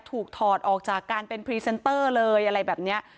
ถอดออกจากการเป็นพรีเซนเตอร์เลยอะไรแบบนี้